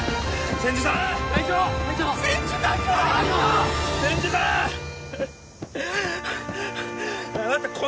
千住さん！